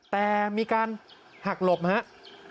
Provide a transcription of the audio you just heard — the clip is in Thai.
แต่มีการหักหลบนะครับ